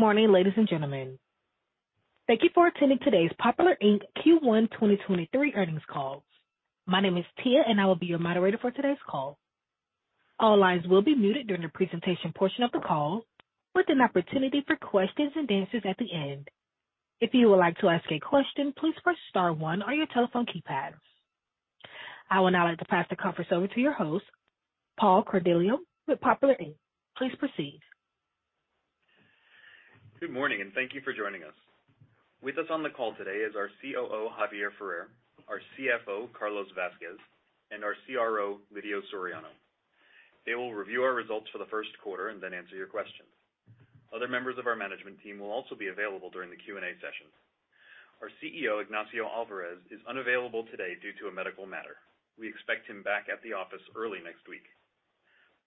Morning, ladies and gentlemen. Thank you for attending today's Popular, Inc. Q1 2023 earnings call. My name is Tia. I will be your moderator for today's call. All lines will be muted during the presentation portion of the call with an opportunity for questions and answers at the end. If you would like to ask a question, please press star one on your telephone keypads. I would now like to pass the conference over to your host, Paul Cardillo, with Popular, Inc. Please proceed. Good morning, and thank you for joining us. With us on the call today is our COO, Javier Ferrer, our CFO, Carlos Vazquez, and our CRO, Lidio Soriano. They will review our results for the first quarter and then answer your questions. Other members of our management team will also be available during the Q&A session. Our CEO, Ignacio Alvarez, is unavailable today due to a medical matter. We expect him back at the office early next week.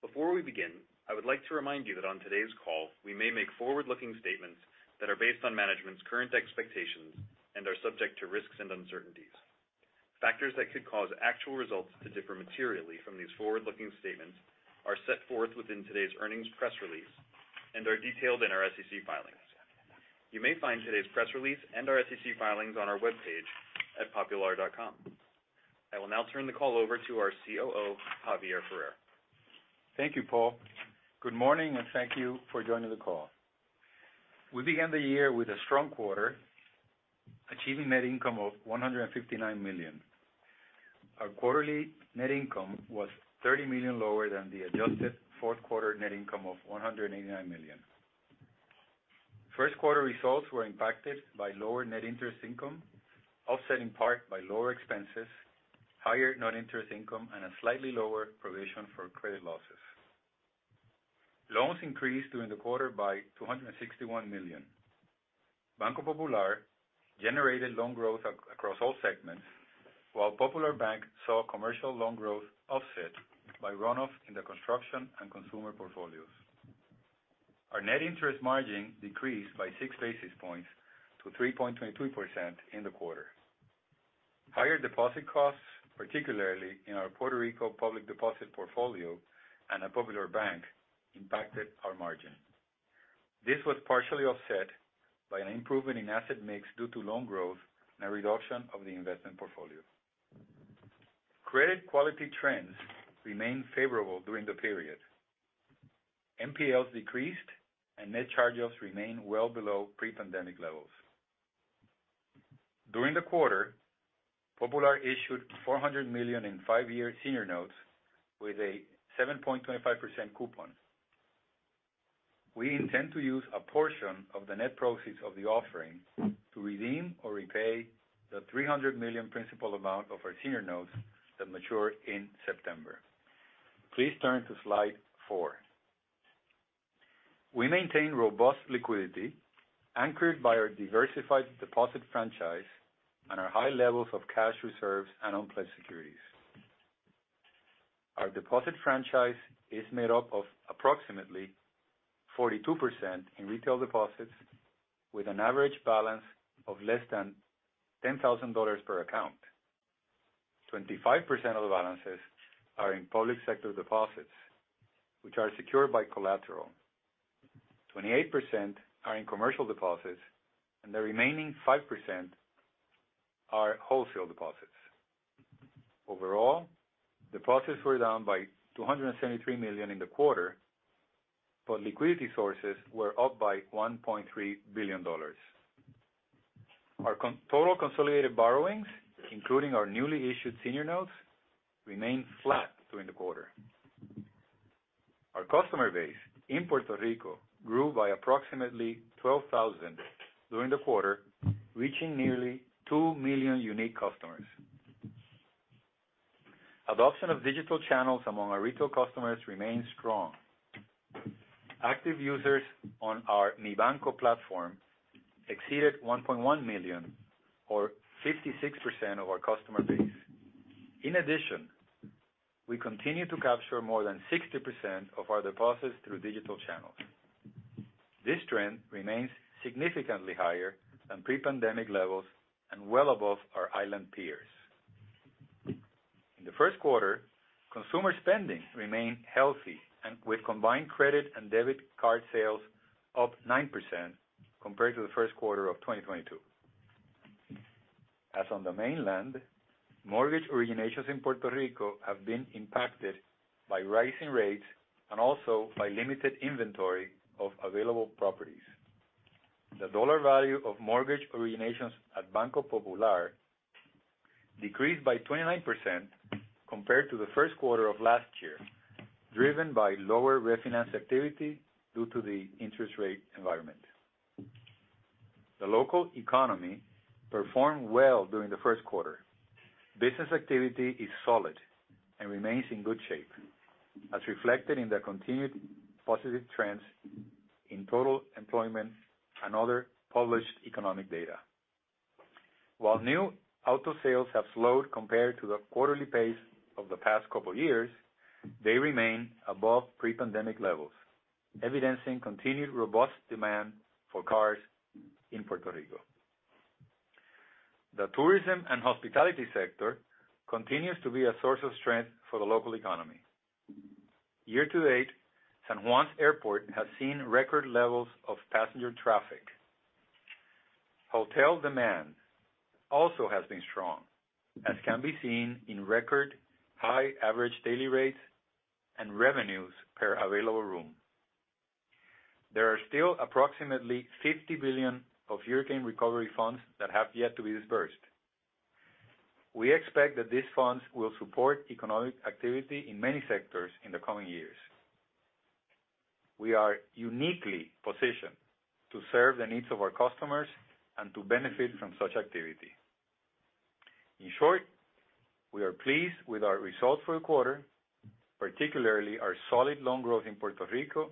Before we begin, I would like to remind you that on today's call we may make forward-looking statements that are based on management's current expectations and are subject to risks and uncertainties. Factors that could cause actual results to differ materially from these forward-looking statements are set forth within today's earnings press release and are detailed in our SEC filings. You may find today's press release and our SEC filings on our webpage at popular.com. I will now turn the call over to our COO, Javier Ferrer. Thank you, Paul. Good morning, and thank you for joining the call. We began the year with a strong quarter, achieving net income of $159 million. Our quarterly net income was $30 million lower than the adjusted fourth quarter net income of $189 million. First quarter results were impacted by lower net interest income, offset in part by lower expenses, higher non-interest income, and a slightly lower provision for credit losses. Loans increased during the quarter by $261 million. Banco Popular generated loan growth across all segments, while Popular Bank saw commercial loan growth offset by runoff in the construction and consumer portfolios. Our net interest margin decreased by 6 basis points to 3.22% in the quarter. Higher deposit costs, particularly in our Puerto Rico public deposit portfolio and at Popular Bank impacted our margin. This was partially offset by an improvement in asset mix due to loan growth and a reduction of the investment portfolio. Credit quality trends remained favorable during the period. NPLs decreased and net charge-offs remain well below pre-pandemic levels. During the quarter, Popular issued $400 million in five-year senior notes with a 7.25% coupon. We intend to use a portion of the net proceeds of the offering to redeem or repay the $300 million principal amount of our senior notes that mature in September. Please turn to slide four. We maintain robust liquidity anchored by our diversified deposit franchise and our high levels of cash reserves and unpledged securities. Our deposit franchise is made up of approximately 42% in retail deposits with an average balance of less than $10,000 per account. 25% of the balances are in public sector deposits, which are secured by collateral. 28% are in commercial deposits. The remaining 5% are wholesale deposits. Overall, deposits were down by $273 million in the quarter, but liquidity sources were up by $1.3 billion. Our total consolidated borrowings, including our newly issued senior notes, remained flat during the quarter. Our customer base in Puerto Rico grew by approximately 12,000 during the quarter, reaching nearly two million unique customers. Adoption of digital channels among our retail customers remains strong. Active users on our Mi Banco platform exceeded 1.1 million or 56% of our customer base. In addition, we continue to capture more than 60% of our deposits through digital channels. This trend remains significantly higher than pre-pandemic levels and well above our island peers. In the first quarter, consumer spending remained healthy and with combined credit and debit card sales up 9% compared to the first quarter of 2022. As on the mainland, mortgage originations in Puerto Rico have been impacted by rising rates and also by limited inventory of available properties. The dollar value of mortgage originations at Banco Popular decreased by 29% compared to the first quarter of last year, driven by lower refinance activity due to the interest rate environment. The local economy performed well during the first quarter. Business activity is solid and remains in good shape, as reflected in the continued positive trends in total employment and other published economic data. While new auto sales have slowed compared to the quarterly pace of the past couple years, they remain above pre-pandemic levels, evidencing continued robust demand for cars in Puerto Rico. The tourism and hospitality sector continues to be a source of strength for the local economy. Year-to-date, San Juan's airport has seen record levels of passenger traffic. Hotel demand also has been strong, as can be seen in record high average daily rates and revenues per available room. There are still approximately $50 billion of hurricane recovery funds that have yet to be disbursed. We expect that these funds will support economic activity in many sectors in the coming years. We are uniquely positioned to serve the needs of our customers and to benefit from such activity. In short, we are pleased with our results for the quarter, particularly our solid loan growth in Puerto Rico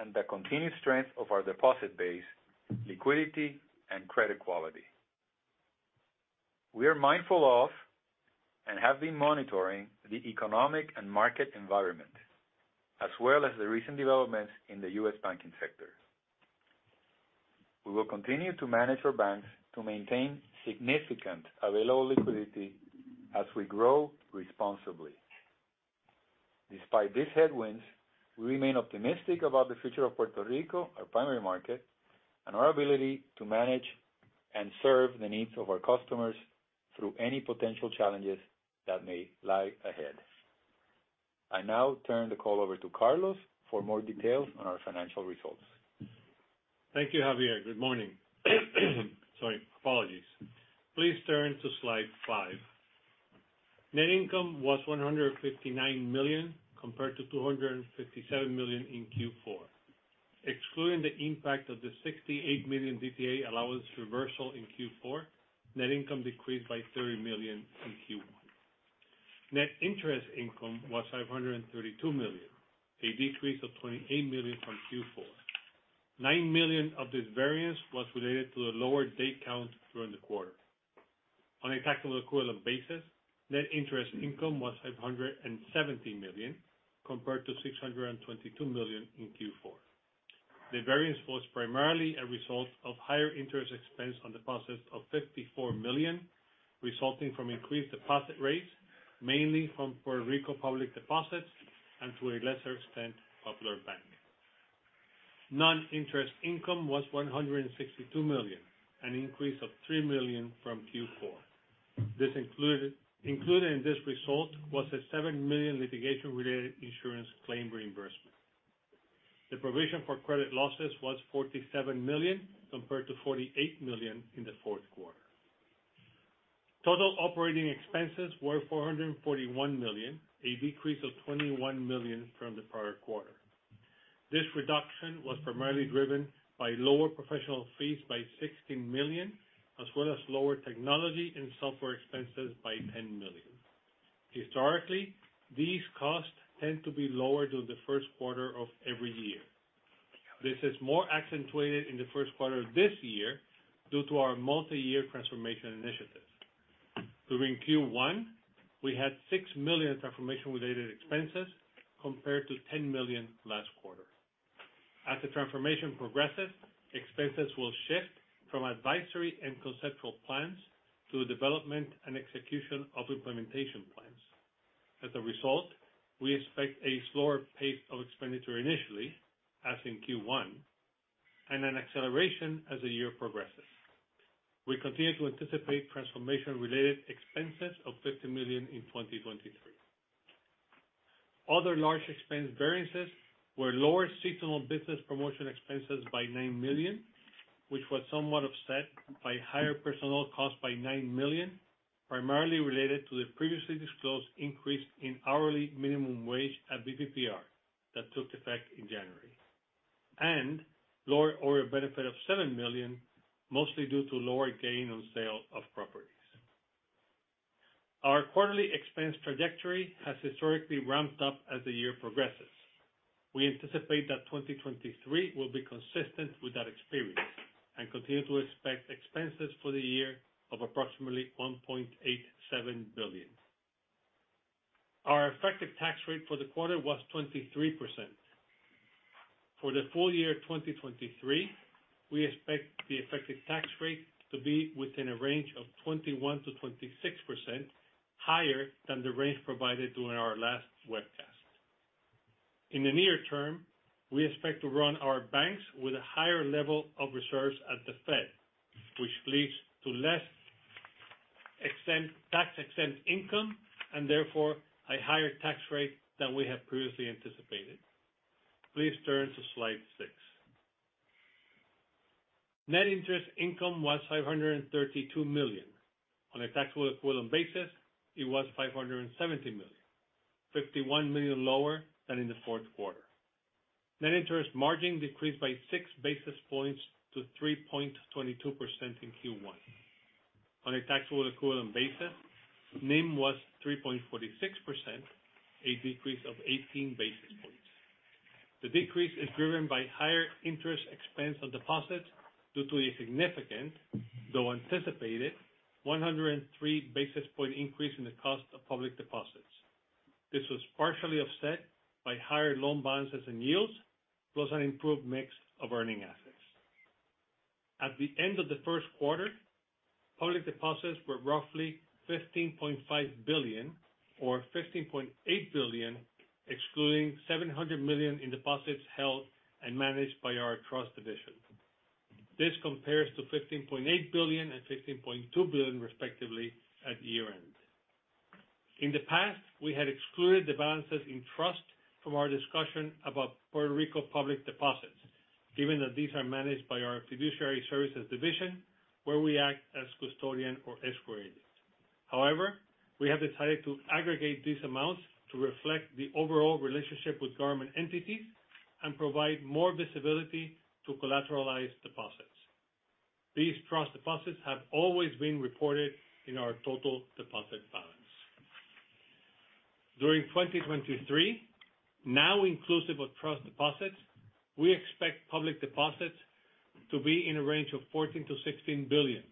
and the continued strength of our deposit base, liquidity, and credit quality. We are mindful of and have been monitoring the economic and market environment as well as the recent developments in the U.S. banking sector. We will continue to manage our banks to maintain significant available liquidity as we grow responsibly. Despite these headwinds, we remain optimistic about the future of Puerto Rico, our primary market, and our ability to manage and serve the needs of our customers through any potential challenges that may lie ahead. I now turn the call over to Carlos for more details on our financial results. Thank you, Javier. Good morning. Sorry, apologies. Please turn to slide five. Net income was $159 million, compared to $257 million in Q4. Excluding the impact of the $68 million DPA allowance reversal in Q4, net income decreased by $30 million in Q1. Net interest income was $532 million, a decrease of $28 million from Q4. $9 million of this variance was related to the lower day count during the quarter. On a taxable equivalent basis, net interest income was $570 million, compared to $622 million in Q4. The variance was primarily a result of higher interest expense on deposits of $54 million, resulting from increased deposit rates, mainly from Puerto Rico public deposits and, to a lesser extent, Popular Bank. Non-interest income was $162 million, an increase of $3 million from Q4. Included in this result was a $7 million litigation-related insurance claim reimbursement. The provision for credit losses was $47 million, compared to $48 million in the fourth quarter. Total operating expenses were $441 million, a decrease of $21 million from the prior quarter. This reduction was primarily driven by lower professional fees by $16 million, as well as lower technology and software expenses by $10 million. Historically, these costs tend to be lower during the first quarter of every year. This is more accentuated in the first quarter of this year due to our multiyear transformation initiatives. During Q1, we had $6 million transformation-related expenses compared to $10 million last quarter. As the transformation progresses, expenses will shift from advisory and conceptual plans to the development and execution of implementation plan. As a result, we expect a slower pace of expenditure initially, as in Q1, and an acceleration as the year progresses. We continue to anticipate transformation-related expenses of $50 million in 2023. Other large expense variances were lower seasonal business promotion expenses by $9 million, which was somewhat offset by higher personnel costs by $9 million, primarily related to the previously disclosed increase in hourly minimum wage at BPPR that took effect in January, and lower order benefit of $7 million, mostly due to lower gain on sale of properties. Our quarterly expense trajectory has historically ramped up as the year progresses. We anticipate that 2023 will be consistent with that experience and continue to expect expenses for the year of approximately $1.87 billion. Our effective tax rate for the quarter was 23%. For the full year 2023, we expect the effective tax rate to be within a range of 21%-26%, higher than the range provided during our last webcast. In the near term, we expect to run our banks with a higher level of reserves at the Fed, which leads to less extent, tax-exempt income and therefore a higher tax rate than we have previously anticipated. Please turn to slide six. Net interest income was $532 million. On a tax equivalent basis, it was $570 million, $51 million lower than in the fourth quarter. Net interest margin decreased by six basis points to 3.22% in Q1. On a taxable equivalent basis, NIM was 3.46%, a decrease of 18 basis points. The decrease is driven by higher interest expense on deposits due to a significant, though anticipated, 103 basis point increase in the cost of public deposits. This was partially offset by higher loan balances and yields, plus an improved mix of earning assets. At the end of the first quarter, public deposits were roughly $15.5 billion or $15.8 billion, excluding $700 million in deposits held and managed by our trust division. This compares to $15.8 billion and $15.2 billion, respectively, at year-end. In the past, we had excluded the balances in trust from our discussion about Puerto Rico public deposits, given that these are managed by our fiduciary services division, where we act as custodian or escrow agents. We have decided to aggregate these amounts to reflect the overall relationship with government entities and provide more visibility to collateralized deposits. These trust deposits have always been reported in our total deposit balance. During 2023, now inclusive of trust deposits, we expect public deposits to be in a range of $14 billion-$16 billion,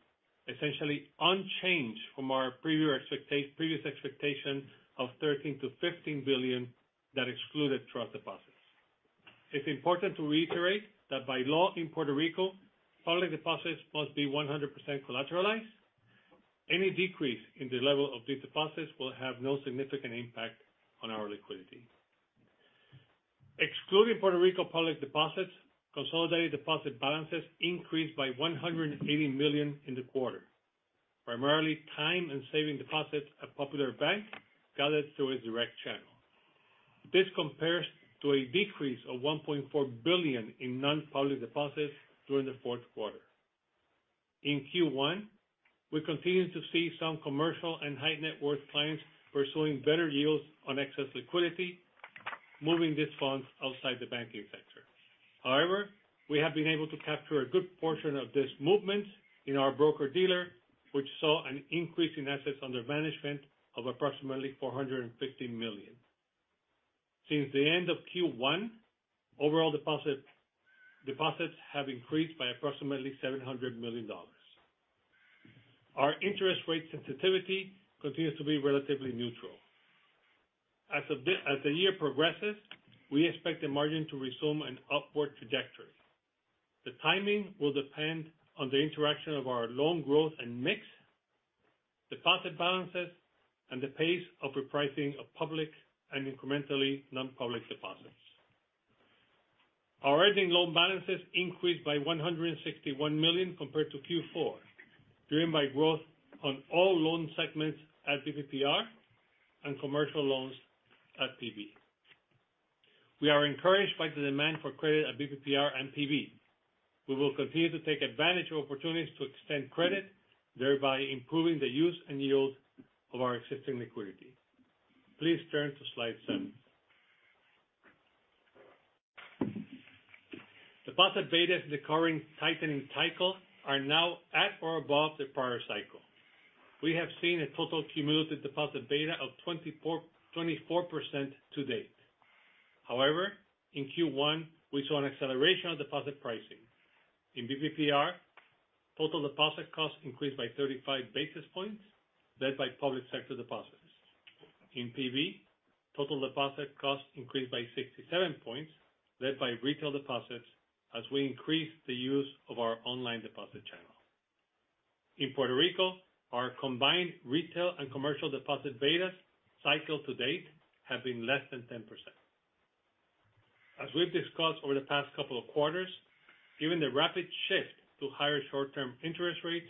essentially unchanged from our previous expectation of $13 billion-$15 billion that excluded trust deposits. It's important to reiterate that by law in Puerto Rico, public deposits must be 100% collateralized. Any decrease in the level of these deposits will have no significant impact on our liquidity. Excluding Puerto Rico public deposits, consolidated deposit balances increased by $180 million in the quarter, primarily time and saving deposits at Popular Bank gathered through a direct channel. This compares to a decrease of $1.4 billion in non-public deposits during the fourth quarter. In Q1, we continued to see some commercial and high net worth clients pursuing better yields on excess liquidity, moving these funds outside the banking sector. However, we have been able to capture a good portion of this movement in our broker-dealer, which saw an increase in assets under management of approximately $450 million. Since the end of Q1, overall deposits have increased by approximately $700 million. Our interest rate sensitivity continues to be relatively neutral. As the year progresses, we expect the margin to resume an upward trajectory. The timing will depend on the interaction of our loan growth and mix, deposit balances, and the pace of repricing of public and incrementally non-public deposits. Our earning loan balances increased by $161 million compared to Q4, driven by growth on all loan segments at BPPR and commercial loans at PB. We are encouraged by the demand for credit at BPPR and PB. We will continue to take advantage of opportunities to extend credit, thereby improving the use and yield of our existing liquidity. Please turn to slide seven. Deposit betas in the current tightening cycle are now at or above the prior cycle. We have seen a total cumulative deposit beta of 24% to date. In Q1, we saw an acceleration of deposit pricing. In BPPR, total deposit costs increased by 35 basis points, led by public sector deposits. In PB, total deposit costs increased by 67 basis points, led by retail deposits as we increased the use of our online deposit channel. In Puerto Rico, our combined retail and commercial deposit betas cycled to date have been less than 10%. As we've discussed over the past couple of quarters, given the rapid shift to higher short-term interest rates,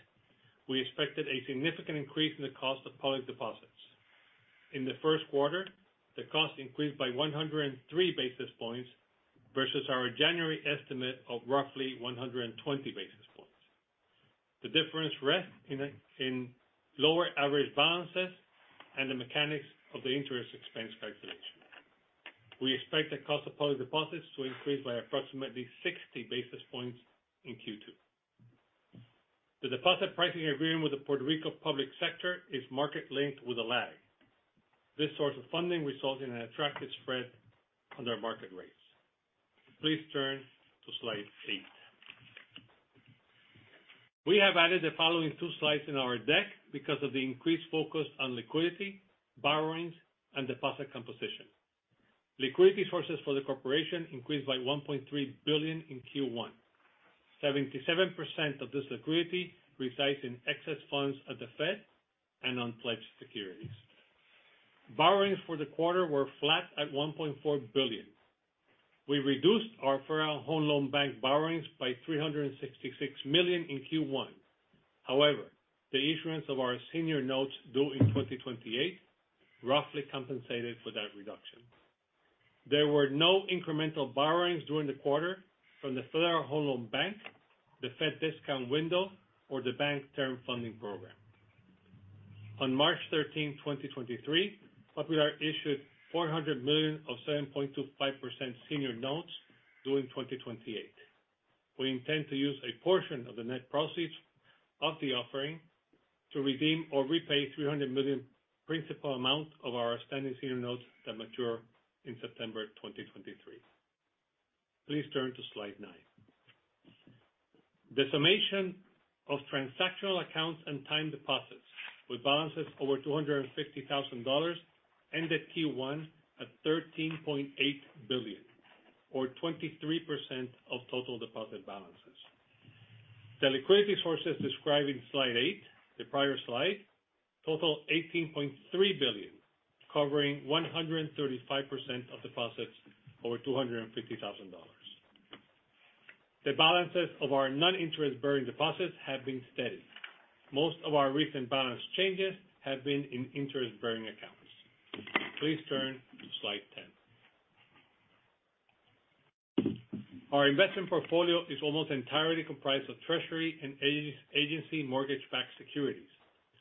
we expected a significant increase in the cost of public deposits. In the first quarter, the cost increased by 103 basis points versus our January estimate of roughly 120 basis points. The difference rests in lower average balances and the mechanics of the interest expense calculation. We expect the cost of public deposits to increase by approximately 60 basis points in Q2. The deposit pricing agreement with the Puerto Rico public sector is market-linked with a lag. This source of funding results in an attractive spread under market rates. Please turn to slide eight. We have added the following two slides in our deck because of the increased focus on liquidity, borrowings, and deposit composition. Liquidity sources for the corporation increased by $1.3 billion in Q1. 77% of this liquidity resides in excess funds at the Fed and unpledged securities. Borrowings for the quarter were flat at $1.4 billion. We reduced our Federal Home Loan Bank borrowings by $366 million in Q1. The issuance of our senior notes due in 2028 roughly compensated for that reduction. There were no incremental borrowings during the quarter from the Federal Home Loan Bank, the Fed Discount Window, or the Bank Term Funding Program. On March 13th, 2023, Popular issued $400 million of 7.25% senior notes due in 2028. We intend to use a portion of the net proceeds of the offering to redeem or repay $300 million principal amount of our outstanding senior notes that mature in September 2023. Please turn to slide nine. The summation of transactional accounts and time deposits with balances over $250,000 ended Q1 at $13.8 billion, or 23% of total deposit balances. The liquidity sources described in slide eight, the prior slide, total $18.3 billion, covering 135% of deposits over $250,000. The balances of our non-interest-bearing deposits have been steady. Most of our recent balance changes have been in interest-bearing accounts. Please turn to slide 10. Our investment portfolio is almost entirely comprised of Treasury and agency mortgage-backed securities,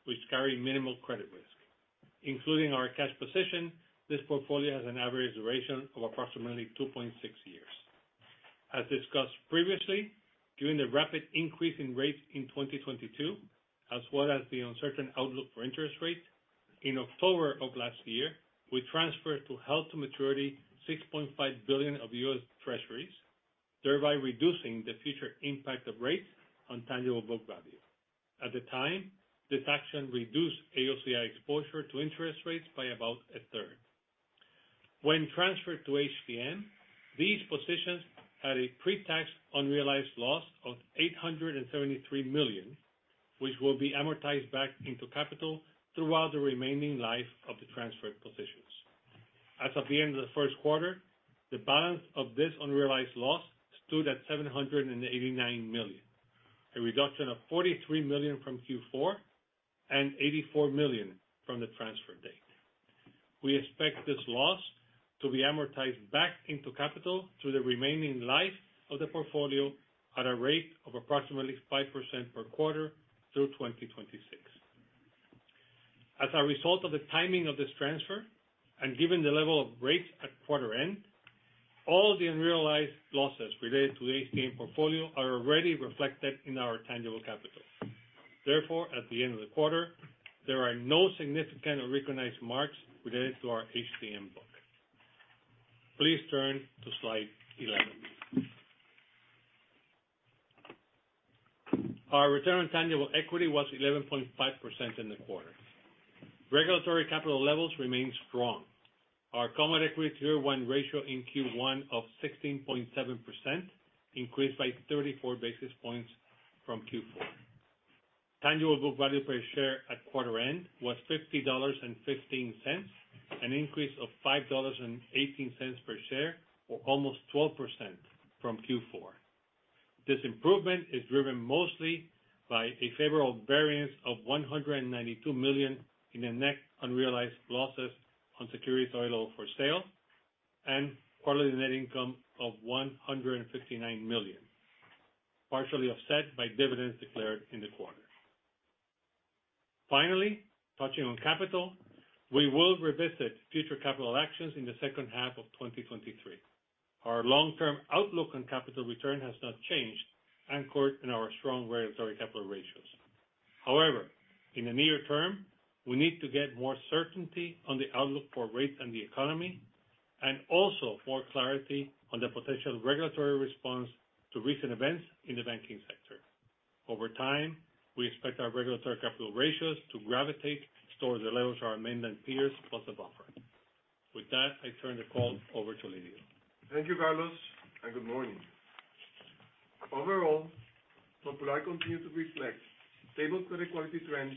which carry minimal credit risk. Including our cash position, this portfolio has an average duration of approximately 2.6 years. As discussed previously, during the rapid increase in rates in 2022 as well as the uncertain outlook for interest rates, in October of last year, we transferred to held-to-maturity $6.5 billion of US Treasuries, thereby reducing the future impact of rates on tangible book value. At the time, this action reduced AOCI exposure to interest rates by about a third. When transferred to HTM, these positions had a pre-tax unrealized loss of $873 million, which will be amortized back into capital throughout the remaining life of the transferred positions. As of the end of the first quarter, the balance of this unrealized loss stood at $789 million, a reduction of $43 million from Q4, and $84 million from the transfer date. We expect this loss to be amortized back into capital through the remaining life of the portfolio at a rate of approximately 5% per quarter through 2026. As a result of the timing of this transfer, and given the level of rates at quarter end, all of the unrealized losses related to HTM portfolio are already reflected in our tangible capital. Therefore, at the end of the quarter, there are no significant recognized marks related to our HTM book. Please turn to slide 11. Our return on tangible equity was 11.5% in the quarter. Regulatory capital levels remain strong. Our Common Equity Tier 1 ratio in Q1 of 16.7% increased by 34 basis points from Q4. Tangible book value per share at quarter end was $50.15, an increase of $5.18 per share, or almost 12% from Q4. This improvement is driven mostly by a favorable variance of $192 million in the net unrealized losses on securities available for sale, and quarterly net income of $159 million, partially offset by dividends declared in the quarter. Touching on capital, we will revisit future capital actions in the second half of 2023. Our long-term outlook on capital return has not changed, anchored in our strong regulatory capital ratios. In the near term, we need to get more certainty on the outlook for rates and the economy, and also more clarity on the potential regulatory response to recent events in the banking sector. Over time, we expect our regulatory capital ratios to gravitate towards the levels of our mainland peers plus the buffer. With that, I turn the call over to Lidio. Thank you, Carlos, and good morning. Overall, Popular continues to reflect stable credit quality trends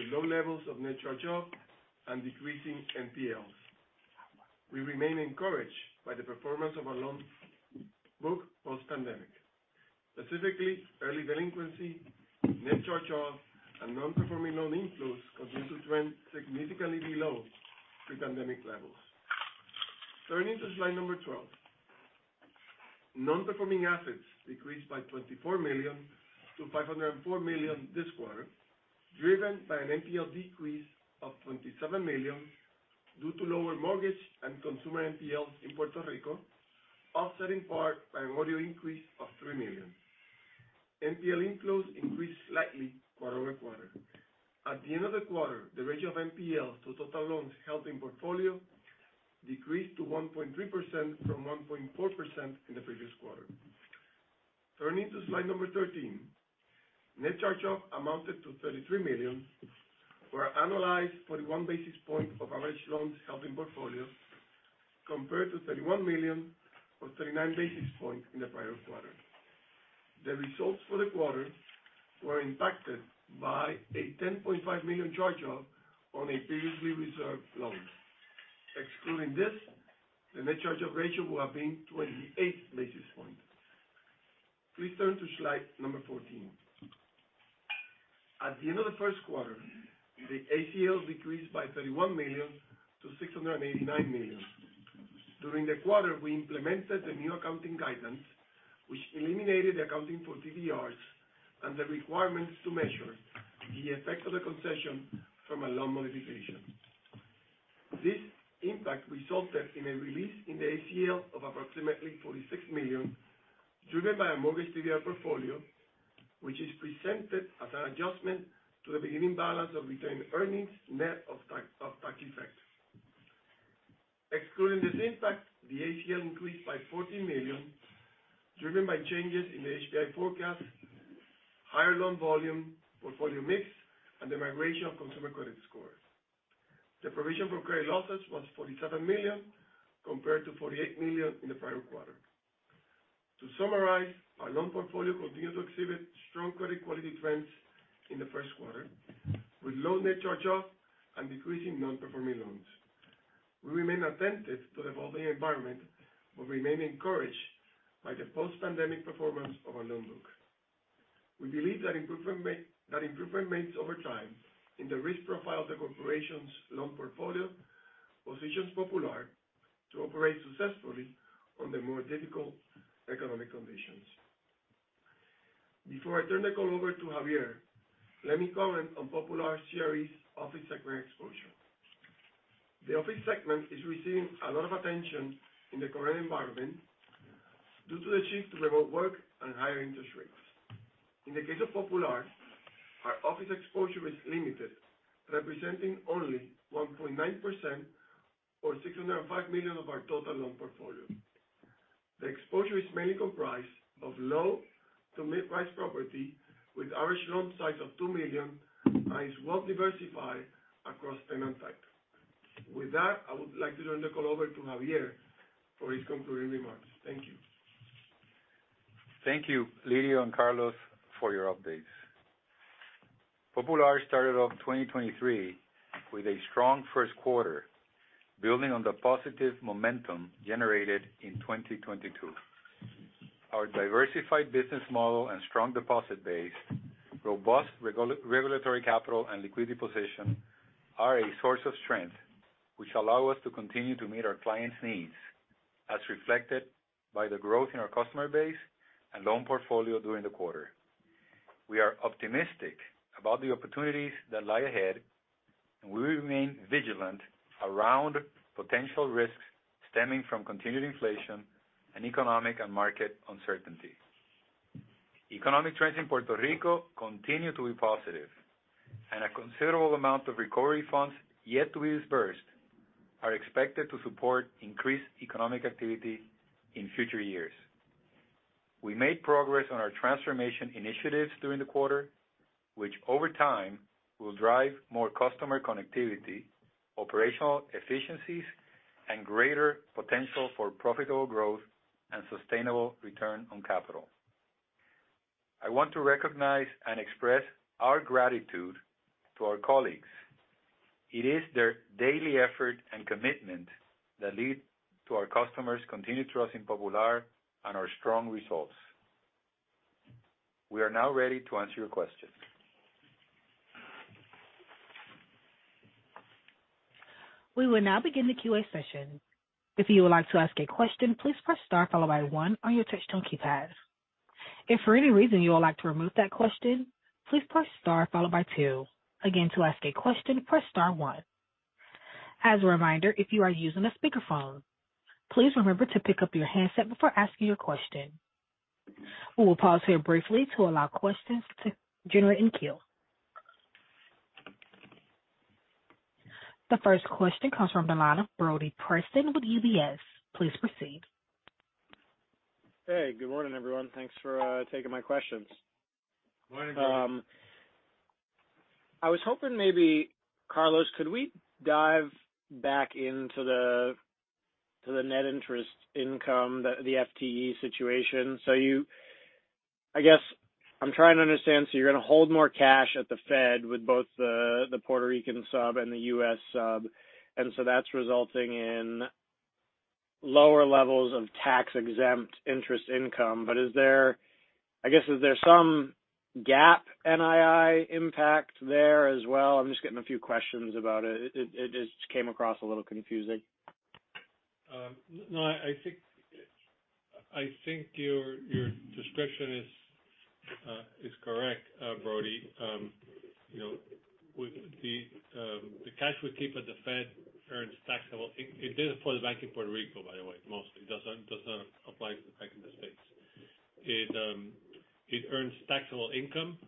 with low levels of net charge-off and decreasing NPLs. We remain encouraged by the performance of our loan book post-pandemic. Specifically, early delinquency, net charge-off, and non-performing loan inflows continue to trend significantly below pre-pandemic levels. Turning to slide number 12. Non-performing assets decreased by $24 million to $504 million this quarter, driven by an NPL decrease of $27 million due to lower mortgage and consumer NPLs in Puerto Rico, offset in part by an audio increase of $3 million. NPL inflows increased slightly quarter-over-quarter. At the end of the quarter, the ratio of NPLs to total loans held in portfolio decreased to 1.3% from 1.4% in the previous quarter. Turning to slide number 13. Net charge-off amounted to $33 million, or annualized 41 basis points of average loans held in portfolio, compared to $31 million or 39 basis points in the prior quarter. The results for the quarter were impacted by a $10.5 million charge-off on a previously reserved loan. Excluding this, the net charge-off ratio would have been 28 basis points. Please turn to slide number 14. At the end of the first quarter, the ACL decreased by $31 million to $689 million. During the quarter, we implemented the new accounting guidance, which eliminated accounting for TDRs and the requirements to measure the effect of the concession from a loan modification. This impact resulted in a release in the ACL of approximately $46 million, driven by a mortgage DVR portfolio, which is presented as an adjustment to the beginning balance of retained earnings, net of tax, of tax effect. Excluding this impact, the ACL increased by $14 million, driven by changes in HPI forecast, higher loan volume, portfolio mix, and the migration of consumer credit scores. The provision for credit losses was $47 million compared to $48 million in the prior quarter. To summarize, our loan portfolio continued to exhibit strong credit quality trends in the first quarter, with low net charge-off and decreasing non-performing loans. We remain attentive to the evolving environment, but remain encouraged by the post-pandemic performance of our loan book. We believe that improvement made over time in the risk profile of the corporation's loan portfolio positions Popular to operate successfully under more difficult economic conditions. Before I turn the call over to Javier, let me comment on Popular, S.E.'s office segment exposure. The office segment is receiving a lot of attention in the current environment due to the shift to remote work and higher interest rates. In the case of Popular, our office exposure is limited, representing only 1.9% or $605 million of our total loan portfolio. The exposure is mainly comprised of low to mid-price property with average loan size of $2 million and is well diversified across tenant types. With that, I would like to turn the call over to Javier for his concluding remarks. Thank you. Thank you, Lidio and Carlos, for your updates. Popular started off 2023 with a strong first quarter, building on the positive momentum generated in 2022. Our diversified business model and strong deposit base, robust regulatory capital and liquidity position are a source of strength which allow us to continue to meet our clients' needs, as reflected by the growth in our customer base and loan portfolio during the quarter. We are optimistic about the opportunities that lie ahead, and we remain vigilant around potential risks stemming from continued inflation and economic and market uncertainty. Economic trends in Puerto Rico continue to be positive, and a considerable amount of recovery funds yet to be disbursed are expected to support increased economic activity in future years. We made progress on our transformation initiatives during the quarter, which over time will drive more customer connectivity, operational efficiencies, and greater potential for profitable growth and sustainable return on capital. I want to recognize and express our gratitude to our colleagues. It is their daily effort and commitment that lead to our customers continue to trust in Popular and our strong results. We are now ready to answer your questions. We will now begin the Q&A session. If you would like to ask a question, please press Star followed by one on your touchtone keypad. If for any reason you would like to remove that question, please press Star followed by two. Again, to ask a question, press Star one. As a reminder, if you are using a speakerphone, please remember to pick up your handset before asking your question. We will pause here briefly to allow questions to generate in queue. The first question comes from the line of Brodie Person with UBS. Please proceed. Hey, good morning, everyone. Thanks for taking my questions. Morning. I was hoping maybe, Carlos, could we dive back into the net interest income, the FTE situation? I guess I'm trying to understand, so you're gonna hold more cash at the Fed with both the Puerto Rican sub and the US sub, and so that's resulting in lower levels of tax-exempt interest income. I guess, is there some gap NII impact there as well? I'm just getting a few questions about it. It just came across a little confusing. No, I think your description is correct, Brodie. You know, with the cash we keep at the Fed earns taxable it didn't for the bank in Puerto Rico, by the way, mostly. It doesn't apply to the bank in the States. It earns taxable income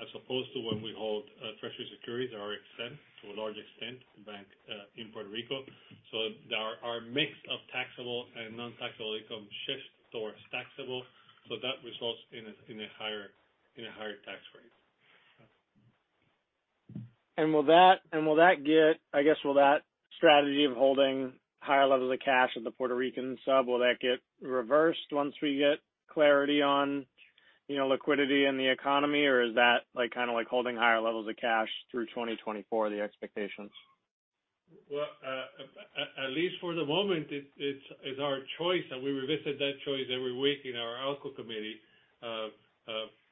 as opposed to when we hold treasury securities that are exempt to a large extent in bank in Puerto Rico. There are a mix of taxable and non-taxable income shifts towards taxable, so that results in a higher tax rate. I guess, will that strategy of holding higher levels of cash at the Puerto Rican sub, will that get reversed once we get clarity on, you know, liquidity in the economy? Or is that, like, kinda like holding higher levels of cash through 2024, the expectations? Well, at least for the moment, it's our choice, and we revisit that choice every week in our ALCO committee.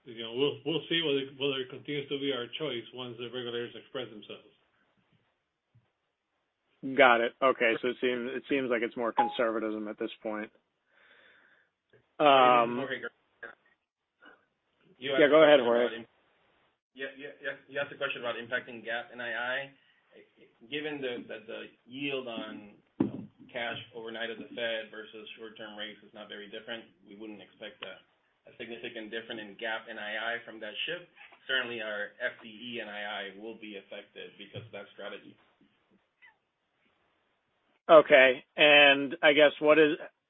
you know, we'll see whether it continues to be our choice once the regulators express themselves. Got it. Okay. It seems like it's more conservatism at this point. Okay, great. You asked a question about. Yeah, go ahead, Jorge. Yeah, you asked a question about impacting gap NII. Given the yield. Cash overnight at the Fed versus short term rates is not very different. We wouldn't expect a significant difference in GAAP NII from that shift. Certainly our FTE NII will be affected because of that strategy. Okay.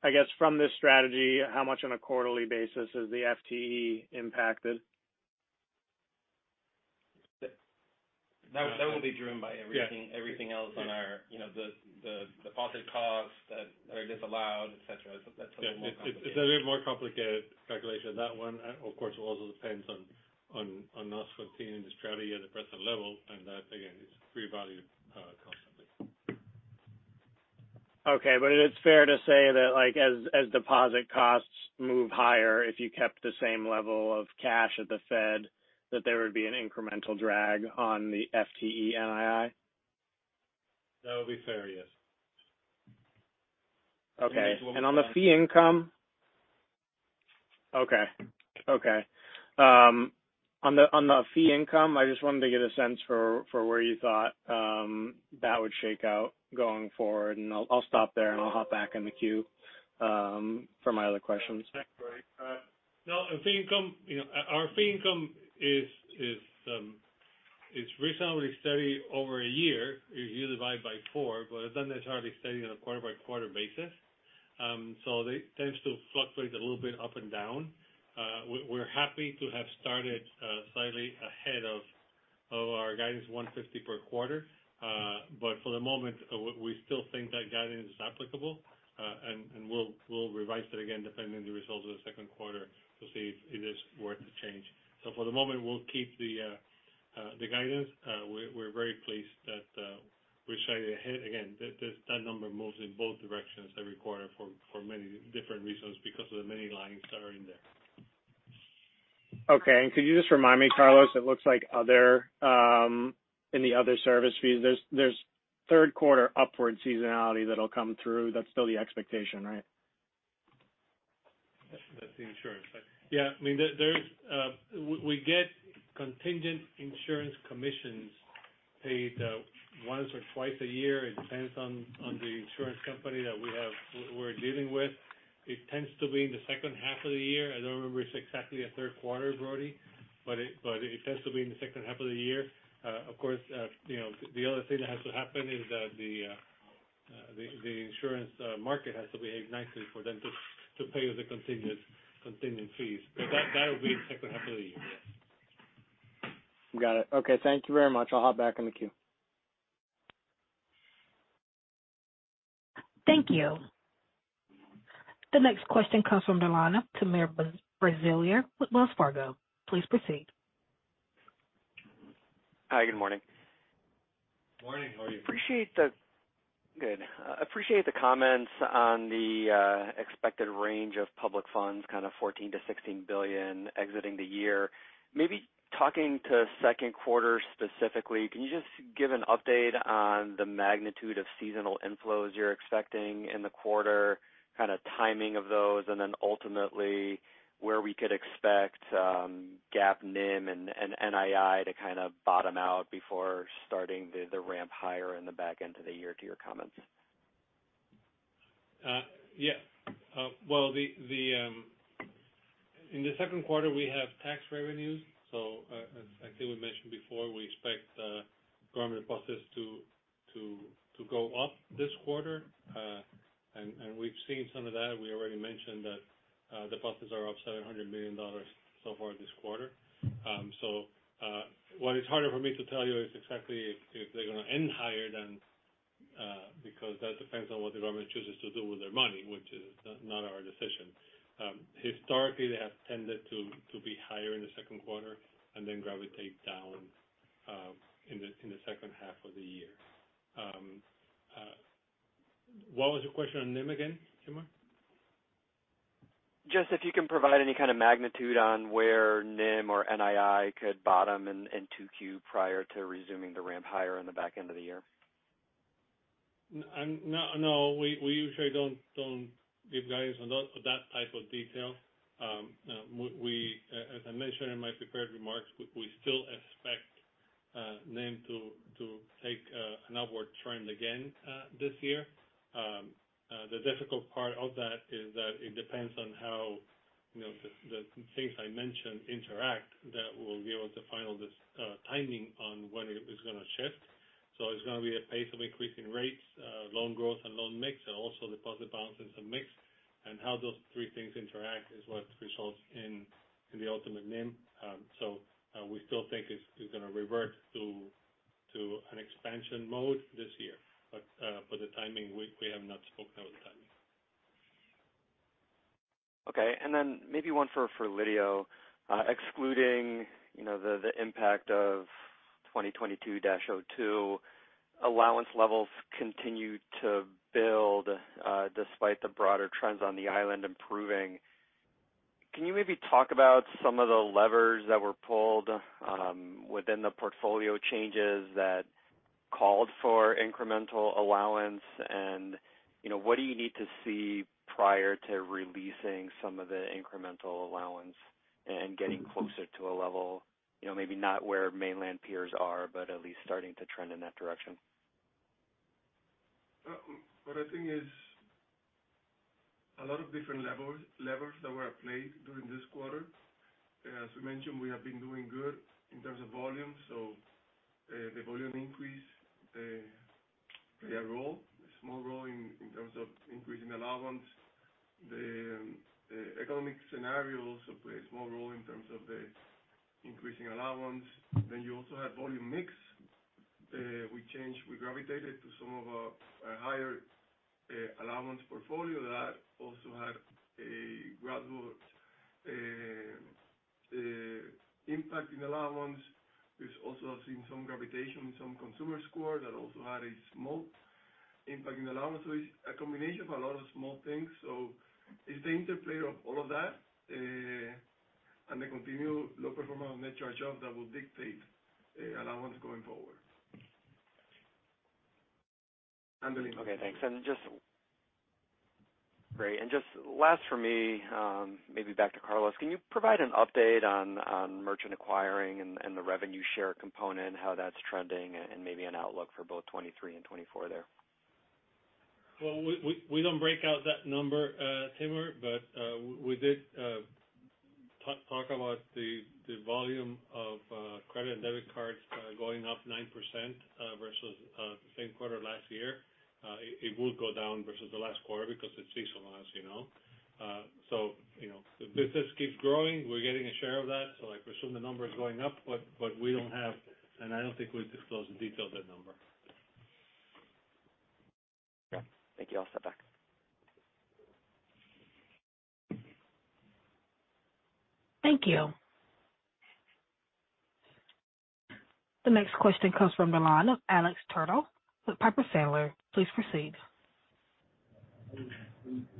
I guess from this strategy, how much on a quarterly basis is the FTE impacted? That will be driven by. Yeah. Everything else on our, you know, the deposit costs that are disallowed, et cetera. That's a little more complicated. Yeah. It's a little more complicated calculation. That one, of course, also depends on us continuing the strategy at the present level, that again is revalued constantly. Okay, it is fair to say that like as deposit costs move higher if you kept the same level of cash at the Fed that there would be an incremental drag on the FTE NII? That would be fair, yes. Okay. on the fee income. Okay. Okay. on the fee income, I just wanted to get a sense for where you thought that would shake out going forward, and I'll stop there, and I'll hop back in the queue for my other questions. The fee income, you know, our fee income is reasonably steady over a year. You divide by four, but it's not necessarily steady on a quarter-by-quarter basis. They tends to fluctuate a little bit up and down. We're happy to have started slightly ahead of our guidance $150 per quarter. For the moment, we still think that guidance is applicable. And we'll revise it again depending on the results of the second quarter to see if it is worth the change. For the moment, we'll keep the guidance. We're very pleased that we're slightly ahead. Again, that number moves in both directions every quarter for many different reasons because of the many lines that are in there. Okay. Could you just remind me, Carlos, it looks like other, in the other service fees, there's third quarter upward seasonality that'll come through. That's still the expectation, right? That's the insurance side. Yeah. I mean, there is we get contingent insurance commissions paid once or twice a year. It depends on the insurance company that we're dealing with. It tends to be in the second half of the year. I don't remember if it's exactly a third quarter already, but it tends to be in the second half of the year. Of course, you know, the other thing that has to happen is that the insurance market has to behave nicely for them to pay the contingent fees. That will be in the second half of the year, yes. Got it. Okay. Thank you very much. I'll hop back in the queue. Thank you. The next question comes from Timur Braziler with Wells Fargo. Please proceed. Hi. Good morning. Morning. How are you? Appreciate the comments on the expected range of public funds, kind of $14 billion-$16 billion exiting the year. Maybe talking to second quarter specifically, can you just give an update on the magnitude of seasonal inflows you're expecting in the quarter, kind of timing of those, and then ultimately where we could expect GAAP NIM and NII to kind of bottom out before starting the ramp higher in the back end of the year to your comments? Yeah. Well, the in the second quarter we have tax revenues. As I think we mentioned before, we expect government deposits to go up this quarter. And we've seen some of that. We already mentioned that deposits are up $700 million so far this quarter. What is harder for me to tell you is exactly if they're gonna end higher than, because that depends on what the government chooses to do with their money, which is not our decision. Historically, they have tended to be higher in the second quarter and then gravitate down in the second half of the year. What was your question on NIM again, Timur? Just if you can provide any kind of magnitude on where NIM or NII could bottom in 2Q prior to resuming the ramp higher in the back end of the year. no, we usually don't give guidance on that type of detail. We, as I mentioned in my prepared remarks, we still expect NIM to take an upward trend again this year. The difficult part of that is that it depends on how, you know, the things I mentioned interact that we'll be able to final this timing on when it is gonna shift. It's gonna be a pace of increasing rates, loan growth and loan mix, and also deposit balances and mix. How those three things interact is what results in the ultimate NIM. We still think it's gonna revert to an expansion mode this year. For the timing, we have not spoken on the timing. Okay. Maybe one for Lidio. Excluding, you know, the impact of ASU 2022-02, allowance levels continue to build despite the broader trends on the island improving. Can you maybe talk about some of the levers that were pulled within the portfolio changes that called for incremental allowance? You know, what do you need to see prior to releasing some of the incremental allowance? Getting closer to a level, you know, maybe not where mainland peers are, but at least starting to trend in that direction. What I think is a lot of different levels, levers that were at play during this quarter. As we mentioned, we have been doing good in terms of volume, the volume increase play a role, a small role in terms of increasing allowance. The economic scenario also plays a small role in terms of the increasing allowance. You also have volume mix. We gravitated to some of our higher allowance portfolio that also had a gradual impact in allowance. We've also seen some gravitation in some consumer score that also had a small impact in allowance. It's a combination of a lot of small things. It's the interplay of all of that and the continued low performance of net charge-offs that will dictate the allowance going forward. uncertain. Okay, thanks. Just... Great. Just last for me, maybe back to Carlos. Can you provide an update on merchant acquiring and the revenue share component, how that's trending and maybe an outlook for both 2023 and 2024 there? We don't break out that number, Timur, but we did talk about the volume of credit and debit cards going up 9% versus the same quarter last year. It will go down versus the last quarter because it's seasonal, as you know. You know, the business keeps growing. We're getting a share of that. I assume the number is going up, but we don't have, and I don't think we disclose the details of that number. Okay. Thank you. I'll step back. Thank you. The next question comes from the line of Alex Twerdahl with Piper Sandler. Please proceed.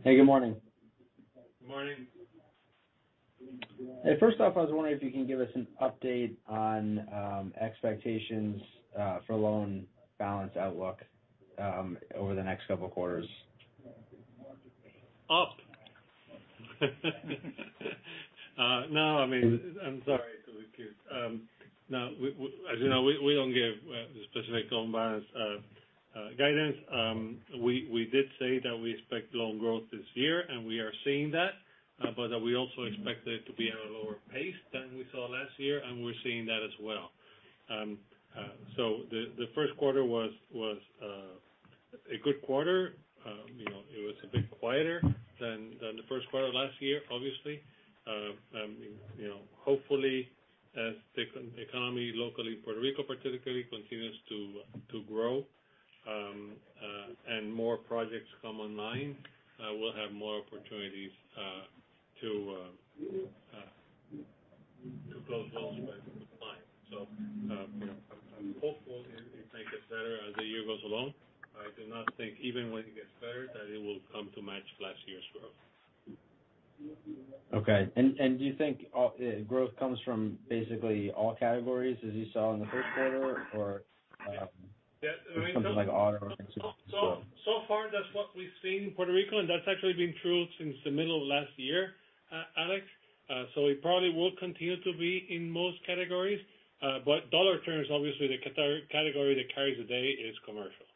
Hey, good morning. Good morning. First off, I was wondering if you can give us an update on expectations for loan balance outlook over the next couple quarters. Awesome. No, I mean, I'm sorry to be cute. No. As you know, we don't give specific loan balance guidance. We did say that we expect loan growth this year, we are seeing that, we also expect it to be at a lower pace than we saw last year, and we're seeing that as well. The first quarter was a good quarter. You know, it was a bit quieter than the first quarter last year, obviously. You know, hopefully, as the economy, locally in Puerto Rico particularly, continues to grow, more projects come online, we'll have more opportunities to close loans by the client. You know, I'm hopeful it gets better as the year goes along. I do not think even when it gets better that it will come to match last year's growth. Okay. Do you think all growth comes from basically all categories as you saw in the first quarter or? Yeah, I mean. Something like auto or consumer as well. So far that's what we've seen in Puerto Rico, and that's actually been true since the middle of last year, Alex. It probably will continue to be in most categories. Dollar terms, obviously the category that carries the day is commercial.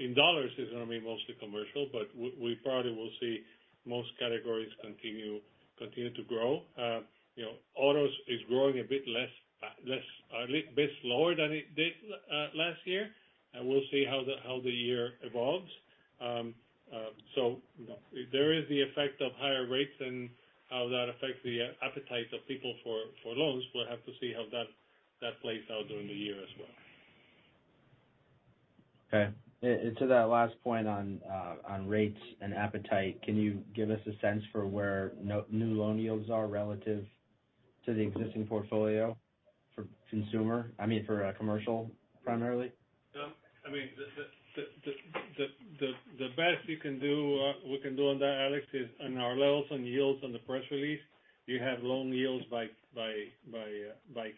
In dollars it's gonna be mostly commercial, but we probably will see most categories continue to grow. You know, autos is growing a bit less, a bit slower than it did last year. We'll see how the year evolves. There is the effect of higher rates and how that affects the appetite of people for loans. We'll have to see how that plays out during the year as well. Okay. To that last point on rates and appetite, can you give us a sense for where new loan yields are relative to the existing portfolio for consumer, I mean, for commercial primarily? Yeah. I mean, the best you can do, we can do on that, Alex, is in our levels on yields on the press release. You have loan yields by